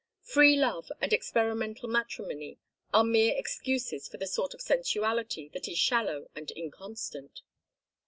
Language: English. Free love and experimental matrimony are mere excuses for the sort of sensuality that is shallow and inconstant."